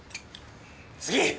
次！